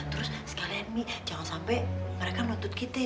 terus sekalian mi jangan sampai mereka menuntut kita